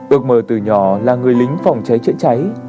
ước mơ từ nhỏ là người lính phòng cháy chữa cháy